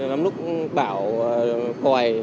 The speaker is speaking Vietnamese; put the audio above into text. lắm lúc bão còi